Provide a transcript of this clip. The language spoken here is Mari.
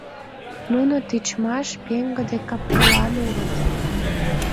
Нуно тичмаш, пеҥгыде капкылан улыт.